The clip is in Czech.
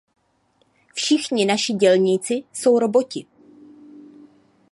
Všichni naši dělníci jsou roboti.